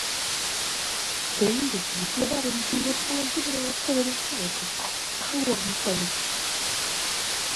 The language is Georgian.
ბეირუთი ითვლება რელიგიურად ყველაზე მრავალფეროვან ქალაქად ახლო აღმოსავლეთში.